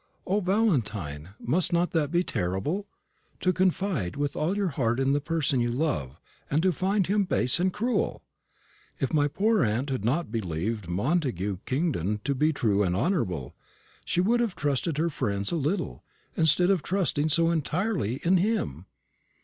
O, Valentine, must not that be terrible? To confide with all your heart in the person you love, and to find him base and cruel! If my poor aunt had not believed Montagu Kingdon to be true and honourable, she would have trusted her friends a little, instead of trusting so entirely in him.